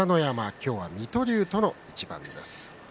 今日は水戸龍との一番です。